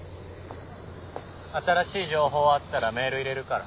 新しい情報あったらメール入れるから。